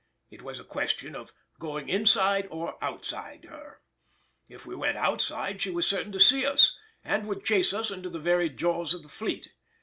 It was a question of going inside or outside her; if we went outside she was certain to see us, and would chase us into the very jaws of the fleet.